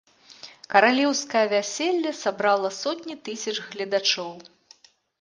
Каралеўскае вяселле сабрала сотні тысяч гледачоў.